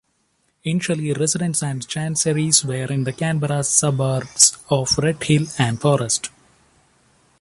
Initially residences and chanceries were in the Canberra suburbs of Red Hill and Forrest.